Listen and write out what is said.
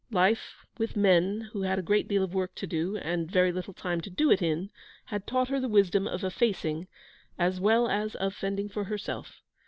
Life with men who had a great deal of work to do, and very little time to do it in, had taught her the wisdom of effacing as well as of fending for herself.